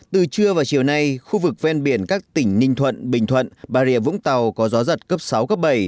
từ trưa vào chiều nay khu vực ven biển các tỉnh ninh thuận bình thuận bà rịa vũng tàu có gió giật cấp sáu cấp bảy